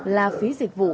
là phí dịch vụ